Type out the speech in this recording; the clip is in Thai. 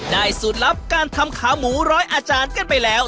สูตรลับการทำขาหมูร้อยอาจารย์กันไปแล้ว